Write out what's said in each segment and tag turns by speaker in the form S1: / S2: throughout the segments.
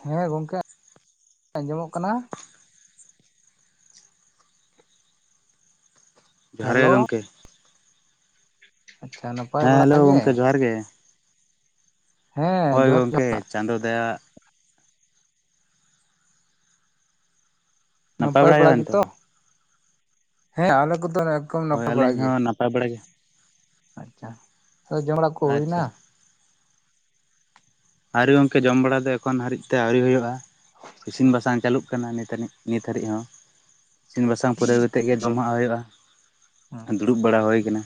S1: ᱦᱮᱸ ᱜᱚᱢᱠᱮ ᱟᱸᱡᱚᱢᱚᱜ ᱠᱟᱱᱟ
S2: ᱡᱚᱦᱟᱨ ᱜᱮ
S1: ᱦᱮᱞᱳ
S2: ᱜᱚᱢᱠᱮ
S1: ᱟᱪᱪᱷᱟ ᱚᱱᱟ [inaudible]
S2: ᱦᱮᱸ ᱦᱮᱞᱳ ᱜᱚᱝᱠᱮ ᱡᱚᱦᱟᱨ ᱜᱮ
S1: ᱦᱮᱸ
S2: ᱦᱚᱭ
S1: ᱡᱚᱦᱟᱨ
S2: ᱜᱚᱢᱠᱮ
S1: ᱡᱚᱦᱟᱨ
S2: ᱪᱟᱸᱫᱳ ᱫᱟᱭᱟ
S1: ᱱᱟᱯᱟᱭ ᱵᱟᱲᱟ ᱜᱮᱛᱚ ᱦᱮᱸ ᱟᱞᱮ ᱠᱚᱫᱚ ᱮ
S2: ᱦᱳᱭ
S1: ᱱᱟᱯᱟᱭ ᱵᱟᱲᱟ
S2: ᱟᱹᱞᱤᱧ
S1: ᱜᱮ
S2: ᱦᱚᱸ ᱱᱟᱯᱟᱭ ᱵᱟᱲᱟ ᱜᱮ
S1: ᱟᱪᱪᱷᱟ ᱡᱚᱢ ᱵᱟᱲᱟ ᱠᱚ ᱦᱩᱭ
S2: ᱟᱪᱪᱷᱟ
S1: ᱮᱱᱟ
S2: ᱟᱹᱣᱨᱤ ᱜᱚᱝᱠᱮ ᱡᱚᱢ ᱵᱟᱲᱟ ᱫᱚ ᱮᱠᱷᱚᱱ ᱦᱟᱹᱨᱤᱡ ᱛᱮ ᱟᱹᱣᱨᱤ ᱦᱩᱭᱩᱜᱼᱟ ᱤᱥᱤᱱ ᱵᱟᱥᱟᱝ ᱪᱟᱹᱞᱩᱜ ᱦᱩᱭᱩᱜ ᱠᱟᱱᱟ ᱱᱟᱹᱱᱤᱡ ᱱᱤᱛ ᱟᱹᱨᱤᱡ ᱦᱚᱸ ᱤᱥᱤᱱ ᱵᱟᱥᱟᱱ ᱯᱩᱨᱟᱹᱣ ᱠᱟᱛᱮᱫ ᱜᱮ ᱡᱚᱢᱟᱜ ᱦᱩᱭᱩᱜᱼᱟ᱾ ᱫᱩᱲᱩᱵ ᱵᱟᱲᱟ ᱦᱩᱭ ᱟᱠᱟᱱᱟ,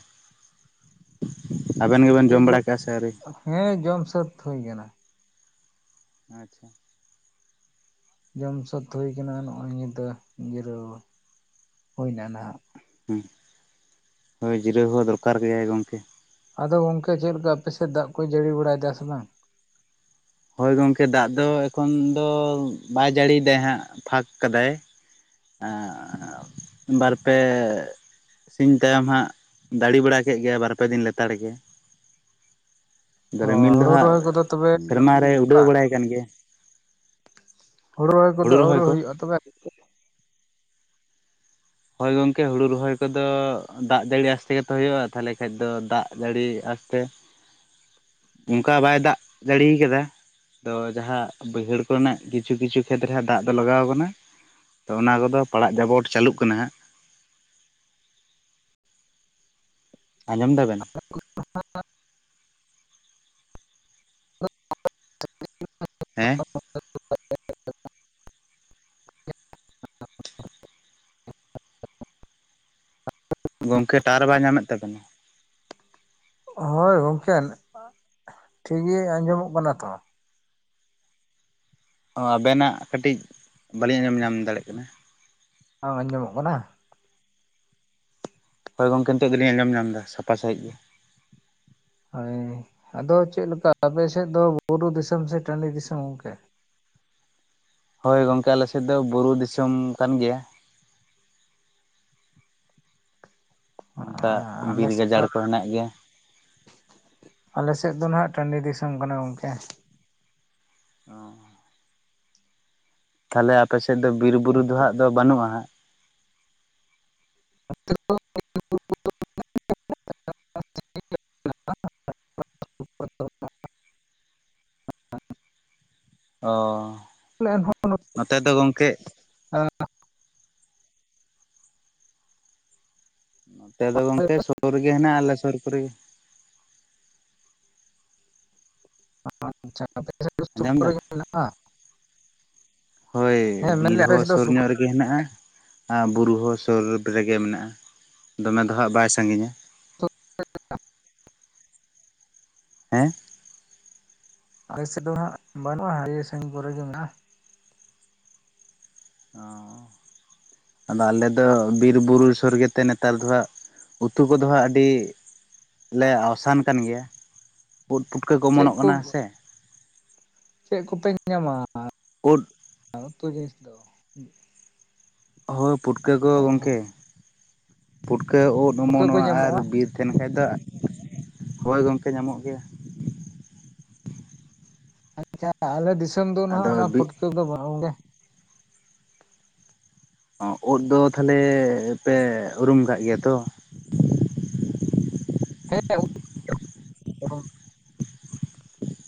S2: ᱟᱵᱮᱱ ᱜᱮᱵᱮᱱ
S1: ᱪᱮᱫ
S2: ᱡᱚᱢ
S1: ᱠᱚ
S2: ᱵᱟᱲᱟ ᱠᱟᱜᱼᱟ ᱥᱮ ᱟᱹᱣᱨᱤ?
S1: ᱦᱮᱸ ᱡᱚᱢ ᱥᱟᱹᱛ ᱦᱩᱭ ᱟᱠᱟᱱᱟ᱾
S2: ᱟᱪᱪᱷᱟ
S1: ᱡᱚᱢ ᱥᱟᱹᱛ ᱦᱩᱭ ᱠᱟᱱᱟ ᱱᱚᱜᱼᱚᱭ ᱧᱤᱭᱟᱹ ᱫᱚ ᱡᱤᱨᱟᱹᱣ ᱦᱩᱭ ᱮᱱᱟ ᱱᱟᱦᱟᱜ
S2: ᱦᱳᱭ ᱡᱤᱨᱟᱹᱣ ᱦᱚᱸ ᱫᱚᱨᱠᱟᱨ ᱜᱮᱭᱟᱭ ᱜᱚᱢᱠᱮ᱾
S1: ᱟᱫᱚ ᱜᱚᱝᱠᱮ ᱪᱮᱫ ᱞᱮᱠᱟ ᱟᱯᱮᱥᱮᱫ ᱫᱟᱜ ᱠᱚᱭ ᱡᱟᱹᱲᱤ ᱵᱟᱲᱟᱭᱮᱫᱟ ᱥᱮ ᱵᱟᱝ?
S2: ᱦᱚᱭ ᱜᱚᱢᱠᱮ ᱫᱟᱜ ᱫᱚ ᱮᱠᱷᱚᱱ ᱫᱚ ᱵᱟᱭ ᱡᱟᱹᱲᱤᱭ ᱫᱟᱭ ᱦᱟᱸᱜ ᱯᱷᱟᱸᱠ ᱠᱟᱫᱟᱭ ᱮᱫ ᱵᱟᱨᱯᱮ ᱥᱤᱧ ᱛᱟᱭᱚᱢ ᱦᱟᱸᱜ ᱫᱟᱲᱮ ᱵᱟᱲᱟ ᱠᱮᱫ ᱜᱮ ᱵᱟᱨᱯᱮ ᱫᱤᱱ ᱞᱮᱛᱟᱲ ᱜᱮ
S1: ᱚ
S2: ᱨᱤᱢᱤᱞ ᱫᱚ
S1: ᱦᱩᱲᱩ
S2: ᱦᱟᱸᱜ
S1: ᱨᱚᱦᱚᱭ ᱠᱚᱫᱚ ᱛᱚᱵᱮ
S2: ᱥᱮᱨᱢᱟᱨ ᱨᱮ ᱩᱰᱟᱹᱣ ᱵᱟᱲᱟᱭ ᱠᱟᱱ ᱜᱮᱭᱟ᱾
S1: ᱦᱩᱲᱩ ᱨᱚᱦᱚᱭ ᱠᱚᱫᱚ ᱟᱹᱣᱨᱤ ᱦᱩᱭᱩᱜᱼᱟ ᱛᱚᱵᱮ?
S2: ᱦᱚᱭ ᱜᱚᱝᱠᱮ ᱦᱩᱲᱩ ᱨᱚᱦᱚᱭ ᱠᱚᱫᱚ ᱫᱟᱜ ᱡᱟᱹᱲᱤ ᱟᱥᱛᱮ ᱜᱮᱛᱚ ᱦᱩᱭᱩᱜᱼᱟ ᱛᱟᱦᱚᱞᱮ ᱠᱷᱟᱱ ᱫᱚ ᱫᱟᱜ ᱡᱟᱹᱲᱤ ᱟᱥᱛᱮ ᱚᱱᱠᱟ ᱵᱟᱭ ᱫᱟᱜ ᱡᱟᱹᱲᱤ ᱠᱟᱫᱟ᱾ ᱛᱚ ᱡᱟᱦᱟᱸ ᱵᱟᱹᱭᱦᱟᱹᱲ ᱠᱚᱨᱮᱱᱟᱜ ᱠᱤᱪᱷᱩ ᱠᱤᱪᱷᱩ ᱠᱷᱮᱛᱨᱮ ᱫᱟᱜ ᱫᱚ ᱞᱟᱜᱟᱣ ᱟᱠᱟᱱᱟ᱾ ᱛᱚ ᱚᱱᱟ ᱠᱚᱫᱚ ᱯᱟᱲᱟᱜ ᱡᱟᱵᱚᱴ ᱪᱟᱹᱞᱩᱜ ᱠᱟᱱᱟ ᱦᱟᱸᱜ ᱟᱸᱡᱚᱢ ᱮᱫᱟ ᱵᱮᱱ? ᱦᱮᱸ
S1: [unintelligible]
S2: ᱜᱚᱝᱠᱮ ᱴᱟᱣᱟᱨ ᱵᱟᱭ ᱧᱟᱢᱮᱫ ᱛᱟᱵᱮᱱᱟ?
S1: ᱦᱳᱭ ᱜᱚᱢᱠᱮ ᱴᱷᱤᱠ ᱜᱮ ᱟᱸᱡᱚᱢᱚᱜ ᱠᱟᱱᱟ ᱛᱚ᱾
S2: ᱚ ᱟᱵᱮᱱᱟᱜ ᱠᱟᱹᱴᱤᱡ ᱵᱟᱹᱞᱤᱧ ᱟᱸᱡᱚᱢ ᱧᱟᱢ ᱫᱟᱲᱮᱭᱟᱜ ᱠᱟᱱᱟ᱾
S1: ᱵᱟᱝ ᱟᱸᱡᱚᱢᱚᱜ ᱠᱟᱱᱟ?
S2: ᱦᱚᱭ ᱜᱚᱢᱠᱮ ᱱᱤᱛᱚᱜ ᱫᱚ ᱞᱤᱧ ᱟᱸᱡᱚᱢ ᱧᱟᱢ ᱮᱫᱟ ᱥᱟᱯᱷᱟ ᱥᱟᱹᱦᱤᱡ ᱜᱮ᱾
S1: ᱦᱳᱭ ᱟᱫᱚ ᱪᱮᱫᱮ ᱞᱮᱠᱟ ᱟᱯᱮᱥᱮᱫ ᱫᱚ ᱵᱩᱨᱩ ᱫᱤᱥᱚᱢ ᱥᱮ ᱴᱟᱺᱰᱤ ᱫᱤᱥᱚᱢ ᱜᱚᱝᱠᱮ?
S2: ᱦᱳᱭ ᱜᱚᱝᱠᱮ ᱟᱞᱮᱥᱮᱫ ᱫᱚ ᱵᱩᱨᱩ ᱫᱤᱥᱚᱢ ᱠᱟᱱ ᱜᱮᱭᱟ᱾ ᱱᱚᱝᱠᱟ
S1: ᱟᱞᱮ
S2: ᱵᱤᱨ
S1: ᱥᱮᱫ
S2: ᱜᱟᱡᱟᱲ
S1: ᱫᱚ
S2: ᱠᱚ ᱦᱮᱱᱟᱜ ᱜᱮᱭᱟ᱾
S1: ᱟᱞᱮ ᱥᱮᱫ ᱫᱚ ᱱᱟᱜ ᱴᱟᱺᱰᱤ ᱫᱤᱥᱚᱢ ᱠᱟᱱᱟ ᱜᱚᱝᱠᱮ᱾
S2: ᱚ ᱛᱟᱦᱚᱞᱮ ᱟᱯᱮᱥᱮᱫ ᱫᱚ ᱵᱤᱨ-ᱵᱩᱨᱩ ᱫᱚ ᱦᱟᱸᱜ ᱫᱚ ᱵᱟᱹᱱᱩᱜᱼᱟ ᱦᱟᱸᱜ᱾ [unintelligible]
S1: [inaudible]
S2: ᱚ
S1: ᱮᱱᱦᱚᱸ
S2: ᱱᱚᱛᱮ ᱫᱚ ᱜᱚᱝᱠᱮ
S1: [unintelligible]
S2: ᱱᱚᱛᱮ ᱫᱚ ᱜᱚᱝᱠᱮ ᱥᱩᱨ ᱨᱮᱜᱮ ᱦᱮᱱᱟᱜᱼᱟ ᱟᱞᱮ ᱥᱩᱨ ᱠᱚᱨᱮ ᱜᱮ
S1: [unintelligible]
S2: ᱟᱸᱡᱚᱢ ᱮᱫᱟ
S1: [unintelligible]
S2: ᱦᱳᱭ
S1: ᱦᱮᱸ
S2: ᱵᱤᱨ
S1: ᱢᱮᱱᱫᱟᱹᱧ ᱟᱯᱮ
S2: ᱦᱚᱸ
S1: ᱥᱮᱫ ᱫᱚ
S2: ᱥᱳᱨ
S1: ᱥᱩᱨ
S2: ᱧᱚᱜ
S1: ᱠᱚᱨᱮ
S2: ᱨᱮᱜᱮ ᱜᱮ ᱦᱮᱱᱟᱜᱼᱟ ᱟᱨ ᱵᱩᱨᱩ ᱦᱚᱸ ᱥᱩᱨ ᱨᱮᱜᱮ ᱢᱮᱱᱟᱜᱼᱟ ᱫᱚᱢᱮ ᱫᱚᱦᱟᱸᱜ ᱵᱟᱭ ᱥᱟᱺᱜᱤᱧᱟ
S1: [unintelligible]
S2: ᱦᱮᱸ
S1: ᱟᱞᱮ ᱥᱮᱫ ᱫᱚ ᱦᱟᱜ ᱵᱟᱹᱱᱩᱜᱼᱟ ᱟᱹᱰᱤ ᱥᱟᱹᱜᱤᱧ ᱠᱚᱨᱮ ᱜᱮ ᱢᱮᱱᱟᱜᱼᱟ᱾
S2: ᱚ ᱟᱫᱚ ᱟᱞᱮ ᱫᱚ ᱵᱤᱨ- ᱵᱩᱨᱩ ᱥᱚᱨᱜᱮᱛᱮ ᱱᱮᱛᱟᱨ ᱫᱚ ᱦᱟᱸᱜ ᱩᱛᱩ ᱠᱚᱫᱚ ᱦᱟᱸᱜ ᱟᱹᱰᱤ ᱞᱮ ᱟᱥᱟᱱ ᱠᱟᱱ ᱜᱮᱭᱟ᱾ ᱩᱫᱽ ᱯᱩᱴᱠᱟᱹ ᱠᱚ ᱚᱢᱚᱱᱚᱜ ᱠᱟᱱᱟ ᱥᱮ᱾
S1: ᱪᱮᱜ ᱠᱚᱯᱮ ᱧᱟᱢᱟ
S2: ᱳᱫ
S1: [unintelligible]
S2: ᱦᱳᱭ ᱯᱩᱴᱠᱟᱹ ᱠᱚ
S1: ᱚ
S2: ᱜᱚᱝᱠᱮ ᱯᱩᱴᱠᱟᱹ ᱩᱫᱽ
S1: ᱯᱩᱴᱠᱟᱹ ᱠᱚ
S2: ᱚᱢᱚᱱᱚᱜᱼᱟ ᱟᱨ
S1: ᱧᱟᱢᱚᱜᱼᱟ
S2: ᱵᱤᱨ ᱛᱟᱦᱮᱱ ᱠᱷᱟᱡ ᱫᱚ ᱦᱚᱭ ᱜᱚᱝᱠᱮ ᱧᱟᱢᱚᱜ ᱜᱮᱭᱟ᱾
S1: ᱟᱪᱷᱟ ᱟᱞᱮ ᱫᱤᱥᱚᱢ ᱫᱚ ᱱᱟᱦᱟᱜ
S2: ᱟᱫᱚ
S1: ᱚᱱᱟ
S2: ᱵᱤᱜ
S1: ᱯᱩᱴᱠᱟᱹ ᱫᱚ ᱵᱟᱝ ᱜᱮ᱾
S2: ᱚᱸ ᱩᱫᱽ ᱫᱚ ᱛᱷᱟᱞᱮ ᱯᱮ ᱩᱨᱩᱢ ᱠᱟᱜ ᱜᱮᱭᱟ ᱛᱚ?
S1: ᱦᱮᱸ [unintelligible]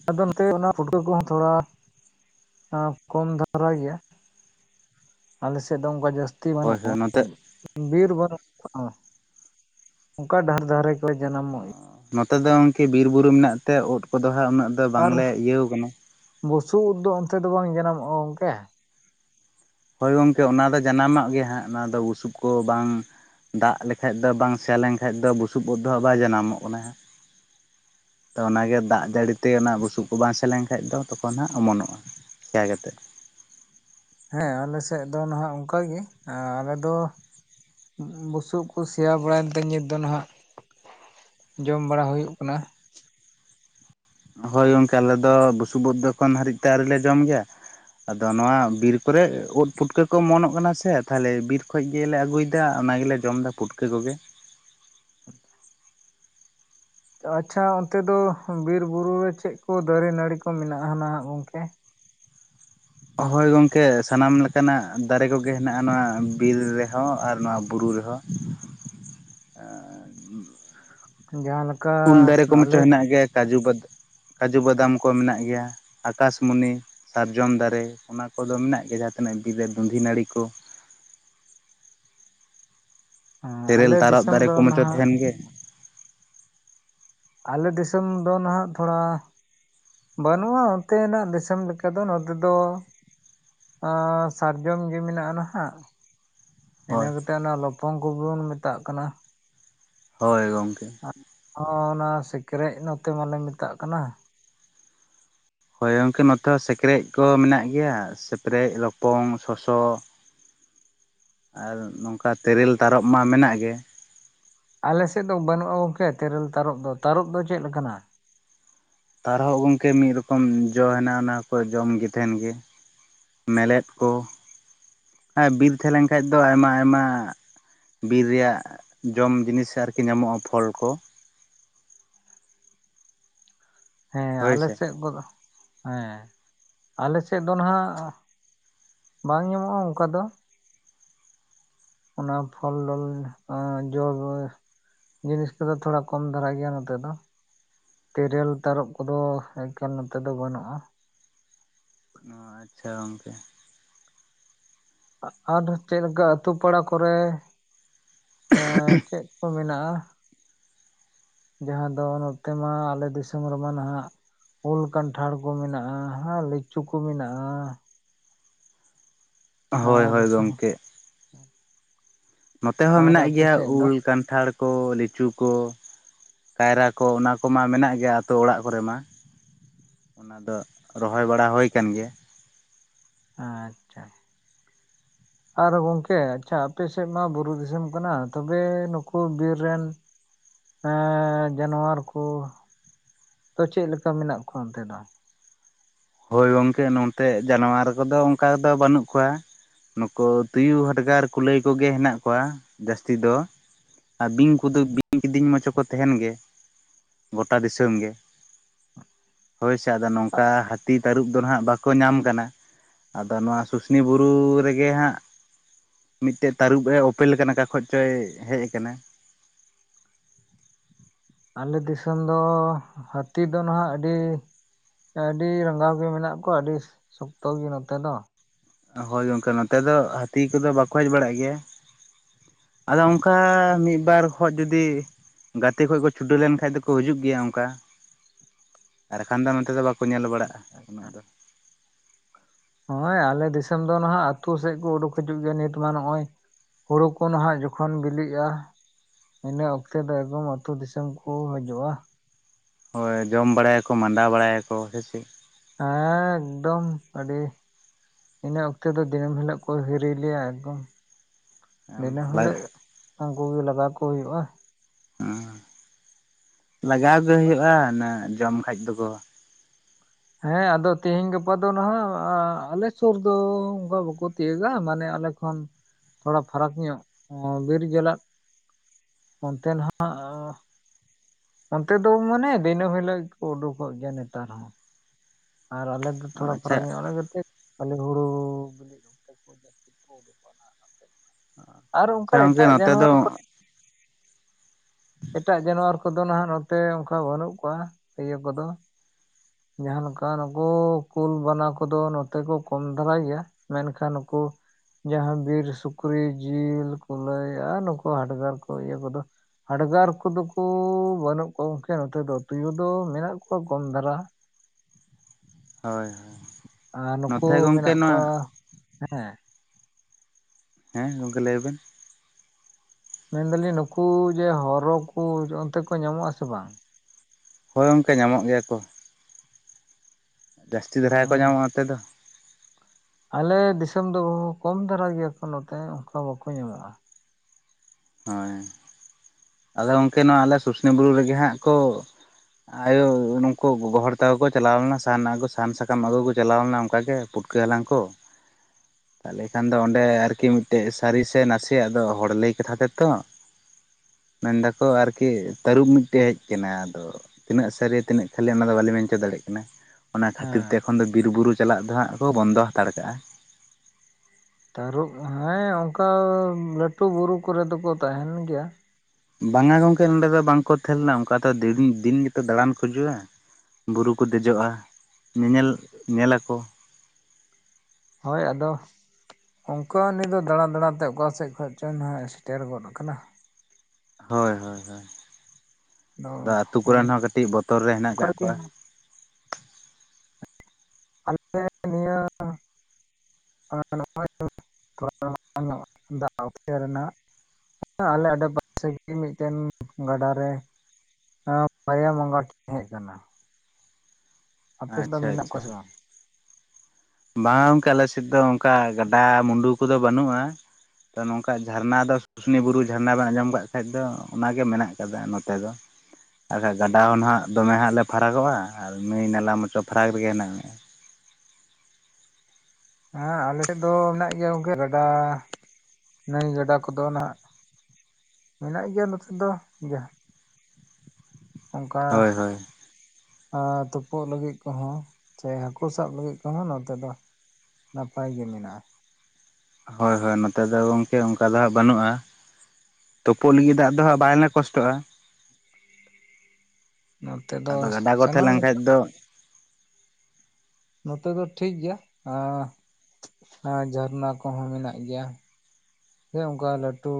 S1: ᱟᱫᱚ ᱱᱚᱛᱮ ᱚᱱᱟ ᱯᱩᱴᱠᱟᱹ ᱠᱚᱦᱚᱸ ᱛᱷᱚᱲᱟ ᱠᱚᱢ ᱫᱷᱟᱨᱟ ᱜᱮᱭᱟ᱾ ᱟᱞᱮᱥᱮᱫ ᱫᱚ ᱚᱝᱠᱟ ᱡᱟᱹᱥ ᱛᱤ
S2: ᱦᱳᱭ ᱦᱳᱭ ᱱᱚᱛᱮ
S1: [unintelligible] ᱵᱤᱨ ᱵᱟᱹᱱᱩᱜᱼᱟ ᱚᱝᱠᱟ ᱰᱟᱦᱟᱨ ᱫᱷᱟᱨᱮ ᱞᱮ ᱡᱟᱱᱟᱢᱚᱜ
S2: ᱱᱚᱛᱮ ᱫᱚ ᱚᱝᱠᱮ ᱵᱤᱨ ᱵᱩᱨᱩ ᱢᱮᱱᱟᱜ ᱛᱮ ᱩᱫ ᱠᱚᱫᱚ ᱦᱟᱸᱜ ᱩᱱᱟᱹᱜ ᱫᱚ ᱵᱟᱝᱞᱮ ᱤᱭᱟᱹᱣ ᱠᱟᱱᱟ᱾
S1: ᱵᱩᱥᱩᱜ ᱩᱫ ᱫᱚ ᱚᱱᱛᱮ ᱫᱚ ᱵᱟᱝ ᱡᱟᱱᱟᱢᱚᱜᱼᱟ ᱜᱚᱝᱠᱮ?
S2: ᱦᱳᱭ ᱜᱚᱝᱠᱮ ᱚᱱᱟ ᱫᱚ ᱡᱟᱱᱟᱢᱟᱜ ᱜᱮ ᱦᱟᱸᱜ ᱚᱱᱟ ᱫᱚ ᱵᱩᱥᱩᱵ ᱠᱚ ᱵᱟᱝ ᱫᱟᱜ ᱞᱮᱠᱷᱟᱡ ᱫᱚ ᱵᱟᱝ ᱥᱮᱭᱟ ᱞᱮᱱᱠᱷᱟᱡ ᱫᱚ ᱵᱩᱥᱩᱵ ᱩᱫᱽ ᱫᱚ ᱦᱟᱸᱜ ᱵᱟᱭ ᱡᱟᱱᱟᱢᱚᱜ ᱠᱟᱱᱟ᱾ ᱛᱚ ᱚᱱᱟᱜᱮ ᱫᱟᱜ ᱡᱟᱹᱲᱤ ᱛᱮ ᱚᱱᱟ ᱵᱩᱥᱩᱵ ᱠᱚ ᱵᱟᱝ ᱥᱮᱞᱮᱱ ᱠᱷᱟᱡ ᱫᱚ ᱛᱚᱠᱷᱚᱱ ᱦᱟᱸᱜ ᱚᱢᱚᱱᱚᱜᱼᱟ᱾ ᱥᱮᱭᱟ ᱠᱟᱛᱮᱜ
S1: ᱦᱮᱸ ᱟᱞᱮᱥᱮᱜ ᱫᱚ ᱱᱟᱦᱟᱜ ᱚᱝᱠᱟ ᱜᱤ ᱮᱸ ᱟᱞᱮ ᱫᱚ ᱵᱩᱥᱩᱵ ᱠᱚ ᱥᱮᱭᱟ ᱵᱟᱲᱟᱭᱮᱱᱛᱮ ᱱᱤᱛ ᱫᱚ ᱱᱟᱦᱟᱜ ᱡᱚᱢ ᱵᱟᱲᱟ ᱦᱩᱭᱩᱜ ᱠᱟᱱᱟ᱾
S2: ᱦᱳᱭ ᱜᱚᱝᱠᱮ ᱟᱞᱮ ᱫᱚ ᱵᱩᱥᱩᱵ ᱩᱫ ᱫᱚ ᱠᱚᱱ ᱦᱟᱹᱨᱤᱡᱛᱮ ᱟᱹᱣᱨᱤ ᱞᱮ ᱡᱚᱢ ᱜᱮᱭᱟ᱾ ᱟᱫᱚ ᱱᱚᱣᱟ ᱵᱤᱨ ᱠᱚᱨᱮ ᱩᱫ ᱯᱩᱴᱠᱟᱹ ᱠᱚ ᱚᱢᱚᱱᱚᱜ ᱠᱟᱱᱟ ᱥᱮ ᱛᱟᱦᱮᱞᱮ ᱵᱤᱨ ᱠᱷᱚᱡ ᱜᱮᱞᱮ ᱟᱹᱜᱩᱭᱫᱟ ᱚᱱᱟ ᱜᱮᱞᱮ ᱡᱚᱢ ᱫᱟ ᱯᱩᱴᱠᱟᱹ ᱠᱚᱜᱮ᱾
S1: ᱟᱪᱷᱟ ᱚᱱᱛᱮ ᱫᱚ ᱵᱤᱨ ᱵᱩᱨᱩ ᱨᱮ ᱪᱮᱜ ᱠᱚ ᱫᱟᱨᱮ ᱱᱟᱹᱲᱤ ᱠᱚ ᱢᱮᱱᱟᱜᱼᱟ ᱱᱟᱦᱟᱜ ᱜᱚᱢᱠᱮ?
S2: ᱦᱳᱭ ᱜᱚᱝᱠᱮ ᱥᱟᱱᱟᱢ ᱞᱮᱠᱟᱱᱟᱜ ᱫᱟᱨᱮ ᱠᱚᱜᱮ ᱦᱮᱱᱟᱜᱼᱟ ᱱᱚᱣᱟ ᱵᱤᱨ ᱨᱮᱦᱚᱸ ᱟᱨ ᱱᱚᱣᱟ ᱵᱩᱨᱩ ᱨᱮᱦᱚᱸ᱾
S1: ᱡᱟᱦᱟᱸ ᱞᱮᱠᱟ
S2: ᱩᱞ ᱫᱟᱨᱮ ᱠᱚ ᱢᱟᱪᱚ
S1: ᱟᱞᱮ
S2: ᱦᱮᱱᱟᱜ ᱜᱮᱭᱟ ᱠᱟᱡᱩ ᱵᱟᱫ ᱠᱟᱡᱩ ᱵᱟᱫᱟᱢ ᱠᱚ ᱢᱮᱱᱟᱜ ᱜᱮᱭᱟ ᱟᱠᱟᱥᱢᱩᱱᱤ᱾ ᱥᱟᱨᱡᱚᱢ ᱫᱟᱨᱮ ᱚᱱᱟ ᱠᱚᱫᱚ ᱢᱮᱱᱟᱜ ᱜᱮᱭᱟ ᱡᱟᱦᱟᱸ ᱛᱤᱱᱟᱹᱜ ᱵᱤᱨ ᱨᱮ ᱫᱩᱸᱫᱷᱤ ᱱᱟᱹᱲᱤ ᱠᱚ᱾ ᱛᱮᱨᱮᱞ
S1: ᱟᱞᱮ
S2: ᱛᱟᱨᱯ
S1: ᱫᱤᱥᱚᱢ
S2: ᱫᱟᱨᱮ
S1: ᱫᱚ
S2: ᱠᱚ ᱢᱟᱪᱚ
S1: ᱱᱟᱦᱟᱜ
S2: ᱛᱟᱦᱮᱱ ᱜᱮ᱾
S1: ᱟᱞᱮ ᱫᱤᱥᱚᱢ ᱫᱚ ᱱᱟᱦᱟᱜ ᱛᱷᱚᱲᱟ ᱵᱟᱹᱱᱩᱜᱼᱟ ᱚᱱᱛᱮᱱᱟᱜ ᱫᱤᱥᱚᱢ ᱞᱮᱠᱟ ᱫᱚ ᱱᱚᱛᱮ ᱫᱚ᱾ ᱮᱸ ᱥᱟᱨᱡᱚᱢ ᱜᱮ ᱢᱮᱱᱟᱜᱼᱟ ᱱᱟᱦᱟᱜ᱾ ᱤᱱᱟᱹ
S2: ᱦᱳᱭ
S1: ᱠᱟᱛᱮᱜ ᱚᱱᱟ ᱞᱚᱯᱚᱝ ᱠᱚᱵᱚᱱ ᱢᱮᱛᱟᱜ ᱠᱟᱱᱟ᱾
S2: ᱦᱳᱭ ᱜᱚᱝᱠᱮ᱾
S1: ᱦᱚᱸ ᱚᱱᱟ ᱥᱮᱠᱨᱮᱡ ᱱᱚᱛᱮ ᱢᱟᱞᱮ ᱢᱮᱛᱟᱜ ᱠᱟᱱᱟ᱾
S2: ᱦᱳᱭ ᱜᱚᱝᱠᱮ ᱱᱚᱛᱮ ᱦᱚᱸ ᱥᱮᱠᱨᱮᱡ ᱠᱚ ᱢᱮᱱᱟᱜ ᱜᱮᱭᱟ ᱥᱮᱛᱨᱮᱡ ᱨᱚᱯᱚᱝ ᱥᱚᱥᱚ ᱟᱨ ᱱᱚᱝᱠᱟ ᱛᱮᱨᱮᱞ ᱛᱟᱨᱚᱵ ᱢᱟ ᱢᱮᱱᱟᱜ ᱜᱮ᱾
S1: ᱟᱞᱮ ᱥᱮᱫ ᱫᱚ ᱵᱟᱹᱱᱩᱜᱼᱟ ᱜᱚᱝᱠᱮ, ᱛᱮᱨᱮᱞ ᱛᱟᱨᱚᱯ ᱫᱚ᱾ ᱛᱟᱨᱚᱯ ᱫᱚ ᱪᱮᱫ ᱞᱮᱠᱟᱱᱟ?
S2: ᱛᱟᱨᱚᱫ ᱜᱚᱝᱠᱮ, ᱢᱤᱫ ᱨᱚᱠᱚᱢ ᱡᱚ ᱦᱮᱱᱟᱜ ᱚᱱᱟ ᱠᱚ ᱡᱚᱢ ᱜᱮ ᱛᱟᱦᱮᱱ ᱜᱮ᱾ ᱢᱮᱞᱮᱫ ᱠᱚ ᱮᱸᱵᱤᱨ ᱛᱟᱦᱮᱸ ᱞᱮᱱ ᱠᱷᱟᱡ ᱫᱚ ᱟᱭᱢᱟ ᱟᱭᱢᱟ ᱵᱤᱨ ᱨᱮᱭᱟᱜ ᱡᱚᱢ ᱡᱤᱱᱤᱥ ᱟᱨᱠᱤ ᱧᱟᱢᱚᱜᱼᱟ ᱯᱷᱚᱞ ᱠᱚ᱾
S1: ᱦᱮᱸ
S2: ᱦᱳᱭ
S1: ᱟᱞᱮ
S2: ᱥᱮ
S1: ᱥᱮᱫ ᱠᱚᱫᱚ ᱦᱮᱸ ᱟᱞᱮᱥᱮᱫ ᱫᱚ ᱱᱟᱦᱟᱜ ᱵᱟᱝ ᱧᱟᱢᱚᱜᱼᱟ ᱚᱝᱠᱟ ᱫᱚ᱾ ᱚᱱᱟ ᱯᱷᱚᱞᱰᱚᱞ ᱟᱸ ᱡᱚ ᱜᱮ ᱡᱤᱱᱤᱥ ᱠᱚᱫᱚ ᱛᱷᱚᱲᱟ ᱠᱚᱢ ᱫᱷᱟᱨᱟ ᱜᱮᱭᱟ ᱱᱚᱛᱮ ᱫᱚ᱾ ᱛᱮᱨᱮᱞ ᱛᱟᱨᱚᱵ ᱠᱚᱫᱚ ᱮᱠᱟᱞ ᱱᱚᱛᱮ ᱫᱚ ᱵᱟᱹᱱᱩᱜᱼᱟ᱾
S2: ᱚ ᱟᱪᱷᱟ ᱜᱚᱝᱠᱮ᱾
S1: ᱟᱨ ᱦᱚᱸ ᱪᱮᱫ ᱞᱮᱠᱟ ᱟᱹᱛᱩ ᱯᱟᱲᱟ ᱠᱚᱨᱮ ᱮᱸ ᱪᱮᱫ ᱠᱚ ᱢᱮᱱᱟᱜᱼᱟ᱾ ᱡᱟᱦᱟᱸ ᱫᱚ ᱱᱚᱛᱮ ᱢᱟ ᱟᱞᱮ ᱫᱤᱥᱚᱢ ᱨᱮᱢᱟ ᱱᱟᱦᱟᱜ ᱩᱞ ᱠᱟᱱᱴᱷᱟᱲ ᱠᱚ ᱢᱮᱱᱟᱜᱼᱟ ᱾ ᱟᱨ ᱞᱤᱪᱩ ᱠᱚ ᱢᱮᱱᱟᱜᱼᱟ᱾
S2: ᱦᱳᱭ
S1: ᱟᱨ
S2: ᱦᱳᱭ ᱜᱚᱝᱠᱮ᱾ ᱱᱚᱛᱮ ᱦᱚᱸ
S1: ᱟᱨ
S2: ᱢᱮᱱᱟᱜ
S1: ᱟᱯᱮ
S2: ᱜᱮᱭᱟ
S1: ᱥᱮᱫ ᱫᱚ
S2: ᱩᱞ ᱠᱟᱱᱴᱷᱟᱲ ᱠᱚ, ᱞᱤᱪᱩ ᱠᱚ᱾ ᱠᱟᱭᱨᱟ ᱠᱚ ᱚᱱᱟ ᱠᱚ ᱢᱟ ᱢᱮᱱᱟᱜ ᱜᱮᱭᱟᱜᱼᱟ ᱟᱛᱳ ᱚᱲᱟᱜ ᱠᱚᱨᱮ ᱢᱟ᱾ ᱚᱱᱟ ᱫᱚ ᱨᱚᱦᱚᱭ ᱵᱟᱲᱟ ᱦᱳᱭ ᱠᱟᱱ ᱜᱮᱭᱟ᱾
S1: ᱟᱪᱪᱷᱟ
S2: [unintelligible]
S1: ᱟᱨ ᱜᱚᱝᱠᱮ ᱟᱪᱪᱷᱟ ᱟᱯᱮ ᱥᱮᱫ ᱢᱟ ᱵᱩᱨᱩ ᱫᱤᱥᱚᱢ ᱠᱟᱱᱟ ᱾ᱛᱚᱵᱮ ᱱᱩᱠᱩ ᱵᱤᱨ ᱨᱮᱱ ᱦᱮᱸ ᱡᱟᱱᱣᱟᱨ ᱠᱚ ᱛᱚ ᱪᱮᱫ ᱞᱮᱠᱟ ᱢᱮᱱᱟᱜ ᱠᱚᱣᱟ ᱚᱱᱛᱮ ᱫᱚ?
S2: ᱦᱳᱭ ᱜᱚᱝᱠᱮ, ᱱᱚᱱᱛᱮ ᱡᱟᱱᱣᱟᱨ ᱠᱚᱫᱚ ᱚᱱᱠᱟ ᱫᱚ ᱵᱟᱹᱱᱩᱜ ᱠᱚᱣᱟ᱾ ᱱᱩᱠᱩ ᱛᱩᱭᱩ, ᱦᱟᱰᱜᱟᱨ, ᱠᱩᱞᱟᱹᱭ ᱠᱚᱜᱮ ᱦᱮᱱᱟᱜ ᱠᱚᱣᱟ, ᱡᱟᱹᱥᱛᱤ ᱫᱚ᱾ ᱟᱨ ᱵᱤᱧ ᱠᱚᱫᱚ ᱵᱤᱧ ᱠᱤᱫᱤᱧ ᱢᱟᱪᱚ ᱠᱚ ᱛᱟᱦᱮᱱ ᱜᱮ᱾ ᱜᱳᱴᱟ ᱫᱤᱥᱚᱢ ᱜᱮ᱾ ᱦᱳᱭ ᱥᱮ ᱟᱫᱚ ᱱᱚᱝᱠᱟ ᱦᱟᱹᱼᱼ ᱛᱟᱹᱨᱩᱵ ᱫᱚ ᱱᱟᱸᱜ ᱵᱟᱠᱚ ᱧᱟᱢ ᱠᱟᱱᱟ᱾ ᱟᱫᱚ ᱱᱚᱣᱟ ᱥᱩᱥᱱᱤ ᱵᱩᱨᱩ ᱨᱮᱜᱮ ᱦᱟᱸᱜ ᱢᱤᱫᱴᱮᱱ ᱛᱟᱹᱨᱩᱵᱽ ᱮ ᱚᱯᱮᱞ ᱟᱠᱟᱱᱟ᱾ ᱚᱠᱟ ᱠᱷᱚᱡ ᱪᱚᱭ ᱦᱮᱡ ᱟᱠᱟᱱᱟ᱾
S1: ᱟᱞᱮ ᱫᱤᱥᱚᱢ ᱫᱚ ᱦᱟᱹᱛᱤ ᱫᱚ ᱱᱟᱦᱟᱜ ᱟᱹᱰᱤ ᱟᱹᱰᱤ ᱨᱟᱸᱜᱟᱣ ᱜᱮ ᱢᱮᱱᱟᱜ ᱠᱚᱣᱟ᱾ ᱟᱹᱰᱤ ᱥᱚᱠᱛᱚ ᱜᱮ ᱱᱚᱛᱮ ᱫᱚ᱾
S2: ᱦᱳᱭ ᱜᱚᱝᱠᱮ, ᱱᱚᱛᱮ ᱫᱚ ᱦᱟᱹᱛᱤ ᱠᱚᱫᱚ ᱵᱟᱠᱚ ᱦᱮᱡ ᱵᱟᱲᱟᱜ ᱜᱮᱭᱟ᱾ ᱟᱫᱚ ᱚᱱᱠᱟ ᱢᱤᱫ ᱵᱟᱨ ᱦᱚ ᱡᱩᱫᱤ ᱜᱟᱛᱮ ᱠᱷᱚᱡ ᱠᱚ ᱪᱷᱩᱰᱟᱹᱨ ᱞᱮᱱᱠᱷᱟᱱ ᱫᱚᱠᱚ ᱦᱤᱡᱩᱜ ᱜᱮᱭᱟ ᱚᱱᱠᱟ᱾ ᱟᱨ ᱵᱟᱝᱠᱷᱟᱱ ᱫᱚ ᱱᱚᱛᱮ ᱫᱚ ᱵᱟᱝ ᱠᱚ ᱠᱚ ᱧᱮᱞ ᱵᱟᱲᱟᱜᱼᱟ᱾ ᱩᱱᱟᱹᱜ ᱫᱚ᱾
S1: ᱱᱚᱜᱼᱚᱭ ᱟᱞᱮ ᱫᱤᱥᱚᱢ ᱫᱚ ᱱᱟᱦᱟᱜ ᱟᱛᱳ ᱥᱮᱫ ᱠᱚ ᱩᱰᱩᱠ ᱦᱤᱡᱩᱜ ᱜᱮᱭᱟ᱾ ᱱᱤᱛ ᱢᱟ ᱱᱚᱜᱼᱚᱭ ᱦᱳᱲᱳ ᱠᱚ ᱱᱟᱦᱟᱜ ᱡᱚᱠᱷᱚᱱ ᱵᱤᱞᱤᱜᱼᱟ᱾ ᱤᱱᱟᱹ ᱚᱠᱛᱮ ᱫᱚ ᱮᱠᱚᱫᱚᱢ ᱟᱛᱳ ᱫᱤᱥᱚᱢ ᱠᱚ ᱦᱤᱡᱩᱜᱼᱟ᱾
S2: ᱦᱳᱭ ᱡᱚᱢ ᱵᱟᱲᱟᱭ ᱟᱠᱚ ᱢᱟᱸᱰᱟ ᱵᱟᱲᱟᱭ ᱟᱠᱚ ᱦᱮᱸ ᱥᱮ᱾
S1: ᱦᱮᱸᱻ ᱮᱠᱫᱚᱢ ᱟᱹᱰᱤ ᱤᱱᱟᱹ ᱚᱠᱛᱮ ᱫᱚ ᱫᱤᱱᱟᱹᱢ ᱦᱤᱞᱳᱜ ᱠᱚ ᱦᱤᱨᱤ ᱞᱮᱭᱟ ᱮᱠᱫᱚᱢ᱾ ᱫᱤᱱᱟᱹᱢ ᱦᱤᱞᱳᱹᱜ ᱩᱱᱠᱩ ᱜᱮ ᱞᱟᱜᱟ ᱠᱚ ᱦᱩᱭᱩᱜᱼᱟ᱾
S2: ᱦᱩᱸ, ᱞᱟᱜᱟᱣ ᱜᱮ ᱦᱳᱭᱳᱜᱼᱟ ᱚᱱᱟ ᱡᱚᱢ ᱠᱷᱟᱡ ᱫᱚᱠᱚ᱾
S1: ᱦᱮᱸ, ᱟᱫᱚ ᱛᱮᱦᱮᱧ ᱜᱟᱯᱟ ᱫᱚ ᱱᱟᱦᱟᱜ, ᱟᱞᱮ ᱥᱳᱨ ᱫᱚ ᱚᱱᱠᱟ ᱵᱟᱠᱚ ᱛᱤᱭᱳᱜ-ᱟ ᱢᱟᱱᱮ ᱟᱞᱮ ᱛᱚᱠᱷᱚᱱ ᱛᱷᱚᱲᱟ ᱯᱷᱟᱨᱟᱠ ᱧᱚᱜ, ᱵᱤᱨ ᱡᱚᱞᱟᱜ ᱚᱱᱛᱮᱱ ᱦᱟᱸᱜ ᱚᱱᱛᱮ ᱫᱚ ᱢᱟᱱᱮ ᱫᱤᱱᱟᱹᱢ ᱦᱤᱞᱳᱜ ᱜᱮ ᱠᱚ ᱳᱰᱳᱠᱚᱜ ᱜᱮᱭᱟ ᱱᱮᱛᱟᱨ ᱦᱚᱸ᱾ ᱟᱨ ᱟᱞᱮ ᱫᱚ ᱛᱷᱚᱲᱟ ᱛᱷᱚᱲᱟ
S2: ᱟᱪᱪᱷᱟ
S1: ᱧᱚᱜ ᱨᱮ ᱠᱷᱟᱹᱛᱤᱨ ᱵᱟᱹᱞᱤ ᱦᱩᱲᱩ [unintelligible] ᱵᱤᱞ ᱚᱠᱛᱮ ᱠᱚ ᱡᱟᱹᱥᱛᱤᱠᱚ ᱩᱰᱩ ᱚᱱᱟ ᱟᱨ
S2: ᱟᱪᱪᱷᱟ
S1: ᱚᱱᱠᱟ
S2: ᱜᱚᱝᱠᱮ
S1: ᱮᱴᱟᱜ
S2: ᱱᱚᱛᱮ ᱫᱚ
S1: ᱡᱟᱱᱣᱟᱨ ᱠᱚ ᱮᱴᱟᱜ ᱡᱟᱱᱣᱟᱨ ᱠᱚᱫᱚ ᱱᱟᱦᱟᱜ ᱱᱚᱛᱮ ᱚᱱᱠᱟ ᱵᱟᱹᱱᱩᱜ ᱠᱚᱣᱟ᱾ ᱤᱭᱟᱹ ᱠᱚ ᱫᱚ ᱡᱟᱦᱟᱸ ᱱᱚᱝᱠᱟ ᱱᱩᱠᱩ ᱠᱩᱞ ᱵᱟᱱᱟ ᱠᱚᱫᱚ ᱱᱚᱛᱮ ᱠᱚ ᱠᱚᱢ ᱫᱷᱟᱨᱟᱭ ᱜᱮᱭᱟ ᱢᱮᱱᱠᱷᱟᱱ ᱱᱩᱠᱩ ᱡᱟᱦᱟᱸ ᱵᱤᱨ ᱥᱩᱠᱨᱤ, ᱡᱤᱞ, ᱠᱩᱞᱟᱹᱭ ᱟᱨ ᱱᱩᱠᱩ ᱦᱟᱰᱜᱟᱨ ᱠᱚ ᱤᱭᱟᱹ ᱠᱚᱫᱚ ᱦᱟᱰᱜᱟᱨ ᱠᱚᱫᱚ ᱠᱚ ᱵᱟᱹᱱᱩᱜ ᱠᱚᱣᱟ ᱜᱚᱝᱠᱮ ᱱᱚᱛᱮ ᱫᱚ᱾ ᱛᱩᱭᱩ ᱫᱚ ᱢᱮᱱᱟᱜ ᱠᱚᱣᱟ ᱠᱚᱢ ᱫᱷᱟᱨᱟ᱾
S2: ᱦᱳᱭ ᱦᱳᱭ᱾
S1: ᱟᱨ ᱱᱩᱠᱩ ᱢᱮᱱᱟᱜ ᱠᱚᱣᱟ ᱦᱮᱸ
S2: ᱦᱮᱸ ᱜᱚᱝᱠᱮ ᱞᱟᱹᱭ ᱵᱮᱱ᱾
S1: ᱢᱮᱱ ᱫᱟᱞᱤᱧ ᱱᱩᱠᱩ ᱡᱮ ᱦᱚᱨᱦᱚ ᱠᱚ ᱚᱱᱛᱮ ᱠᱚ ᱧᱟᱢᱚᱜᱼᱟ ᱥᱮ ᱵᱟᱝ?
S2: ᱦᱳᱭ ᱜᱚᱝᱠᱮ, ᱧᱟᱢᱚᱜ ᱜᱮᱭᱟ ᱠᱚ ᱾ ᱡᱟᱹᱥᱛᱤ ᱫᱷᱟᱨᱟ ᱜᱮ ᱠᱚ
S1: ᱦᱩᱸ
S2: ᱧᱟᱢᱚᱜᱼᱟ᱾ ᱱᱚᱛᱮ ᱫᱚ᱾
S1: ᱟᱞᱮ ᱫᱤᱥᱚᱢ ᱫᱚ ᱠᱚᱢ ᱫᱷᱟᱨᱟ ᱜᱮᱭᱟ ᱠᱚ ᱱᱚᱛᱮ, ᱚᱱᱠᱟ ᱵᱟᱠᱚ ᱧᱟᱢᱚᱜᱼᱟ᱾
S2: ᱦᱳᱭ ᱟᱫᱚ ᱜᱚᱢᱠᱮ ᱱᱚᱣᱟ ᱟᱞᱮ ᱥᱩᱥᱱᱤ ᱵᱩᱨᱩ ᱨᱮᱜᱮ ᱦᱟᱸᱜ ᱠᱚ ᱟᱭᱳ ᱩᱱᱩᱠᱩ ᱜᱚ ᱜᱚ ᱦᱚᱲ ᱛᱟᱠᱚ ᱠᱚ ᱪᱟᱞᱟᱣ ᱞᱮᱱᱟ ᱥᱟᱦᱟᱱ ᱟᱹᱜᱩ ᱥᱟᱦᱟᱱ ᱥᱟᱠᱟᱢ ᱟᱹᱜᱩ ᱠᱚ ᱪᱟᱞᱟᱣ ᱞᱮᱱᱟ ᱚᱱᱠᱟ ᱜᱮ ᱯᱩᱴᱼᱼ ᱠᱮᱞᱟᱝ ᱠᱚ ᱛᱟᱦᱚᱞᱮ ᱠᱷᱟᱱ ᱫᱚ ᱚᱸᱰᱮ ᱟᱨᱠᱤ ᱢᱤᱫᱴᱮᱡ ᱥᱟᱹᱨᱤ ᱥᱮ ᱱᱟᱥᱮᱭᱟᱜ ᱫᱚ ᱦᱚᱲ ᱞᱟᱹᱭ ᱠᱟᱛᱷᱟ ᱛᱮ ᱛᱚ ᱢᱮᱱ ᱫᱟᱠᱚ ᱟᱨᱠᱤ ᱛᱟᱹᱨᱩᱵ ᱢᱤᱫᱴᱮᱡ ᱦᱮᱡ ᱟᱠᱟᱱᱟ ᱟᱫᱚ ᱛᱤᱱᱟᱹᱜ ᱥᱟᱹᱨᱤᱭᱟ ᱛᱤᱱᱟᱹᱜ ᱠᱷᱟᱹᱞᱤ ᱚᱱᱟ ᱫᱚ ᱵᱟᱞᱤ ᱢᱮᱱᱧᱪᱚ ᱫᱟᱲᱮᱭᱟᱜ ᱠᱟᱱᱟ ᱚᱱᱟ ᱠᱷᱟᱹᱛᱤᱨ
S1: ᱦᱮᱸ
S2: ᱛᱮ ᱮᱠᱷᱚᱱ ᱫᱚ ᱵᱤᱨ ᱵᱩᱨᱩ ᱪᱟᱞᱟᱜ ᱫᱚ ᱦᱟᱸᱜ ᱠᱚ ᱵᱚᱱᱫᱚ ᱦᱟᱛᱟᱲ ᱠᱟᱜᱼᱟ
S1: ᱛᱟᱹᱨᱩᱵᱽ ᱦᱮᱸ ᱚᱱᱠᱟ ᱞᱟᱹᱴᱩ ᱵᱩᱨᱩ ᱠᱚᱨᱮ ᱫᱚᱠᱚ ᱛᱟᱦᱮᱸᱱ ᱜᱮᱭᱟ
S2: ᱵᱟᱝ-ᱟ ᱜᱚᱢᱠᱮ ᱱᱚᱸᱰᱮ ᱫᱚ ᱵᱟᱝᱠᱚ ᱛᱟᱦᱮᱸ ᱞᱮᱱᱟ ᱚᱱᱠᱟ ᱛᱮ ᱫᱤᱨ ᱫᱤᱱ ᱜᱮᱛᱚ ᱫᱟᱬᱟᱱ ᱠᱚ ᱦᱤᱡᱩᱜᱼᱟ ᱵᱩᱨᱩ ᱠᱚ ᱫᱮᱡᱚᱜᱼᱟ ᱧᱮᱧᱮᱞ ᱧᱮ ᱟᱠᱚ
S1: ᱦᱳᱭ ᱟᱫᱚ ᱚᱱᱠᱟ ᱱᱤ ᱫᱚ ᱫᱟᱬᱟ ᱫᱟᱬᱟᱛᱮ ᱚᱠᱟᱥᱮᱫ ᱠᱷᱚᱡ ᱪᱚ ᱱᱟ ᱥᱮᱴᱮᱨ ᱜᱚᱫ ᱟᱠᱟᱱᱟ
S2: ᱦᱳᱭ ᱦᱳᱭ ᱦᱳᱭ ᱟᱫᱚ ᱟᱛᱳ ᱠᱚᱨᱮᱱ ᱦᱚᱸ ᱠᱟᱹᱴᱤᱡ ᱵᱚᱛᱚᱨ ᱨᱮ ᱦᱮᱱᱟᱜ ᱟᱠᱟᱫ
S1: ᱚᱱᱠᱟᱜᱮ
S2: ᱠᱚᱣᱟ
S1: ᱟᱞᱮ ᱱᱤᱭᱟᱹ
S2: [unintelligible]
S1: [unintelligible] ᱫᱟᱜ ᱛᱮᱱᱟᱜ ᱟᱞᱮ [unintelligible] ᱢᱤᱫᱴᱮᱱ ᱜᱟᱰᱟ ᱨᱮ [unintelligible] ᱟᱯᱮ ᱥᱮᱫ ᱫᱚ
S2: ᱟᱪᱪᱷᱟ
S1: ᱢᱮᱱᱟᱜ ᱠᱚᱣᱟ ᱥᱮ ᱵᱟᱝ?
S2: ᱵᱟᱝ-ᱟ ᱜᱚᱝᱠᱮ ᱟᱞᱮ ᱥᱮᱫ ᱫᱚ ᱚᱱᱠᱟ ᱜᱟᱰᱟ ᱢᱩᱰᱩ ᱠᱚᱫᱚ ᱵᱟᱹᱱᱩᱜᱼᱟ ᱛᱚ ᱱᱚᱝᱠᱟ ᱡᱷᱟᱨᱱᱟ ᱫᱚ ᱥᱩᱥᱱᱤ ᱵᱩᱨᱩ ᱡᱷᱟᱨᱱᱟ ᱫᱟᱜ ᱟᱸᱡᱚᱢ ᱠᱟᱜ ᱠᱷᱟᱡ ᱫᱚ ᱚᱱᱟᱜ ᱜᱮ ᱢᱮᱱᱟᱜ ᱟᱠᱟᱫᱟ ᱱᱚᱛᱮ ᱫᱚ ᱟᱨᱠᱷᱟᱡ ᱜᱟᱰᱟ ᱦᱚᱸ ᱱᱟᱦᱟᱜ ᱫᱚᱢᱮ ᱦᱟᱸᱜ ᱞᱮ ᱯᱷᱟᱨᱟᱠᱚᱜᱼᱟ ᱟᱨ ᱱᱟᱹᱭ ᱱᱟᱞᱟ ᱢᱚᱛᱚ ᱯᱷᱟᱨᱟᱠ ᱨᱮᱜᱮ ᱦᱮᱱᱟᱜᱼᱟ
S1: ᱦᱮᱸ ᱟᱞᱮ ᱥᱮᱫ ᱫᱚ ᱢᱮᱱᱟᱜ ᱜᱮᱭᱟ ᱜᱚᱝᱠᱮ ᱜᱟᱰᱟ ᱱᱟᱹᱭ ᱜᱟᱰᱟ ᱠᱚᱫᱚ ᱱᱟᱜ ᱢᱮᱱᱟᱜ ᱜᱮᱭᱟ ᱱᱚᱛᱮ ᱫᱚ ᱡᱟᱦᱟᱸ ᱚᱝᱠᱟ
S2: ᱦᱳᱭ ᱦᱳᱭ
S1: ᱛᱩᱯᱩᱜ ᱞᱟᱹᱜᱤᱫ ᱠᱚᱦᱚᱸ ᱪᱮ ᱦᱟᱹᱠᱩ ᱥᱟᱵ ᱞᱟᱹᱜᱤᱫ ᱠᱚᱦᱚᱸ ᱱᱚᱛᱮ ᱫᱚ ᱱᱟᱯᱟᱭ ᱜᱮ ᱢᱮᱱᱟᱜᱼᱟ
S2: ᱦᱳᱭ ᱦᱳᱭ ᱱᱚᱛᱮ ᱫᱚ ᱜᱚᱝᱠᱮ ᱚᱱᱠᱟ ᱫᱚ ᱦᱟᱸᱜ ᱵᱟᱹᱱᱩᱜᱼᱟ ᱛᱩᱯᱳ ᱞᱟᱹᱜᱤᱫ ᱫᱟᱜ ᱫᱚᱦᱟᱜ ᱵᱟᱝᱞᱮ ᱠᱚᱥᱴᱚᱜᱼᱟ
S1: ᱱᱚᱛᱮ ᱫᱚ
S2: ᱟᱫᱚ ᱜᱟᱰᱟ ᱠᱚ ᱛᱟᱦᱮᱸ
S1: ᱥᱟᱱᱟᱢ
S2: ᱞᱮᱱ ᱠᱷᱟᱱ
S1: ᱞᱮᱠᱟ
S2: ᱫᱚ
S1: ᱱᱚᱛᱮ ᱫᱚ ᱴᱷᱤᱠ ᱜᱮᱭᱟ ᱡᱷᱟᱨᱱᱟ ᱠᱚᱦᱚᱸ ᱢᱮᱱᱟᱜ ᱜᱮᱭᱟ
S2: [unintelligible]
S1: ᱜᱮ ᱚᱱᱠᱟ ᱞᱟᱹᱴᱩ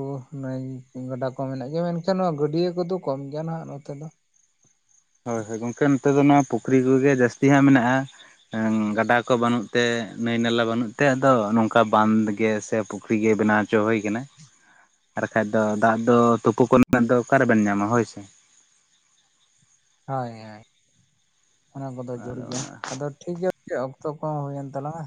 S1: ᱜᱟᱰᱟ ᱠᱚ ᱢᱮᱱᱟᱜ ᱜᱮᱭᱟ ᱢᱮᱱᱠᱷᱟᱱ ᱱᱚᱣᱟ ᱜᱟᱹᱰᱭᱟᱹ ᱠᱚᱫᱚ ᱠᱚᱢ ᱜᱮᱭᱟ ᱱᱟᱦᱟᱜ ᱱᱚᱛᱮ ᱫᱚ
S2: ᱦᱳᱭ ᱦᱳᱭ ᱜᱚᱝᱠᱮ ᱱᱚᱛᱮ ᱫᱚ ᱱᱚᱣᱟ ᱯᱩᱠᱷᱨᱤ ᱠᱚᱜᱮ ᱡᱟᱹᱥᱛᱤ ᱦᱟᱸᱜ ᱢᱮᱱᱟᱜᱼᱟ ᱜᱟᱰᱟ ᱠᱚ ᱵᱟᱹᱱᱩᱜ ᱛᱮ ᱱᱟᱹᱭ ᱱᱟᱞᱟ ᱵᱟᱹᱱᱩᱜ ᱛᱮ ᱟᱫᱚ ᱱᱚᱝᱠᱟ ᱵᱟᱸᱫ ᱜᱮ ᱥᱮ ᱯᱩᱠᱷᱨᱤ ᱜᱮ ᱵᱮᱱᱟᱣ ᱪᱚ ᱦᱩᱭ ᱠᱟᱱᱟ ᱟᱨ ᱵᱟᱠᱟᱱᱡ ᱫᱚ ᱫᱟᱜ ᱫᱚ ᱛᱩᱯᱩ ᱠᱚᱨᱮᱱᱟᱜ ᱫᱚ ᱚᱠᱟᱨᱮᱵᱮᱱ ᱧᱟᱢᱟ ᱦᱳᱭ ᱥᱮ
S1: ᱦᱳᱭ ᱦᱳᱭ ᱚᱱᱟ ᱠᱚᱫᱚ ᱡᱩᱨ
S2: ᱟᱫᱚ
S1: ᱜᱮᱭᱟ
S2: ᱚᱱᱟ
S1: ᱟᱫᱚ ᱴᱷᱤᱠ ᱜᱮᱭᱟ ᱚᱠᱛᱚ ᱠᱚᱦᱚᱸ ᱦᱩᱭᱮᱱ ᱛᱟᱞᱟᱝᱼᱟ